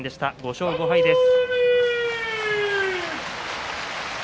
５勝５敗です。